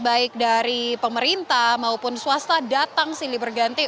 baik dari pemerintah maupun swasta datang silih berganti